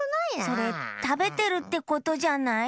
それたべてるってことじゃない？